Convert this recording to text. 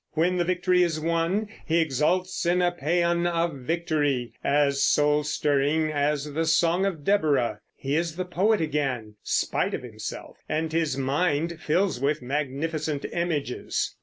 When the victory is won, he exults in a paean of victory as soul stirring as the Song of Deborah. He is the poet again, spite of himself, and his mind fills with magnificent images.